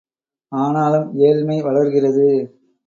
ஆனாலும் ஏழ்மை வளர்கிறது!